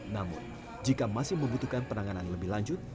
namun jika masih membutuhkan penanganan lebih lanjut